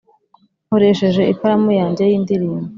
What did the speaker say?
nkoresheje ikaramu yanjye yindirimbo